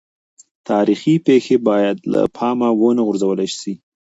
تاریخي پېښې باید له پامه ونه غورځول سي.